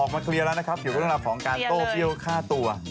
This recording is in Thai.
ออกมาเคลียร์แล้วนะครับถึงเวลาของการโต้เฟี้ยวฆ่าตัว